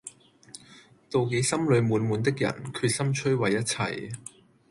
妒忌心裏滿滿的人，決心摧毀一切